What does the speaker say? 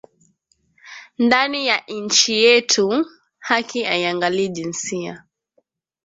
Ndani ya inchi yetu haki aiangalii jinsia